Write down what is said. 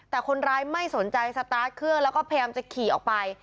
แต่คนร้ายไม่สนใจสตาร์ทเครื่องแล้วก็พยายามจะขี่ออกไป